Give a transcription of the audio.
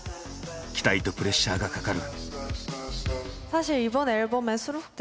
期待とプレッシャーがかかる。